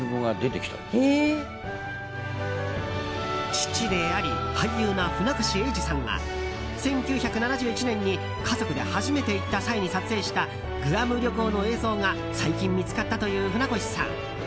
父であり俳優の船越英二さんが１９７１年に家族で初めて行った際に撮影したグアム旅行の映像が最近見つかったという船越さん。